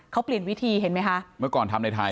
เขาเปลี่ยนวิธีเห็นไหมคะเมื่อก่อนทำในไทย